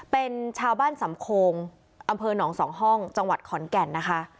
เป็นชาวบ้านสำโคงอำเภอหนองสองห้องจังหวัดขอนแก่นนะคะ